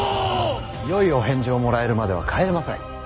よいお返事をもらえるまでは帰れません。